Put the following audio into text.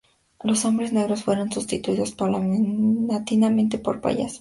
Los hombres negros fueron sustituidos paulatinamente por payasos.